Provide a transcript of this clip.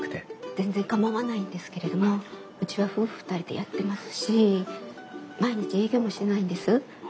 全然構わないんですけれどもうちは夫婦２人でやってますし毎日営業もしてないんです。